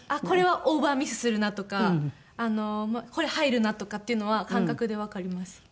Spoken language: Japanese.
これはオーバーミスするなとかこれ入るなとかっていうのは感覚でわかります。